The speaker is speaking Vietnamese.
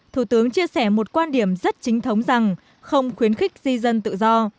thủ tướng chia sẻ một quan điểm rất chính thống rằng không khuyến khích di dân tự do